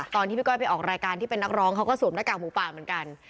ตอนที่พี่ก้อยไปออกรายการที่เป็นนักร้องเขาก็สวมหน้ากากหมูป่าเหมือนกัน